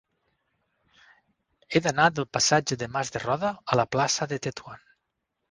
He d'anar del passatge de Mas de Roda a la plaça de Tetuan.